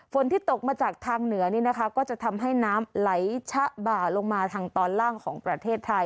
ที่ตกมาจากทางเหนือนี่นะคะก็จะทำให้น้ำไหลชะบ่าลงมาทางตอนล่างของประเทศไทย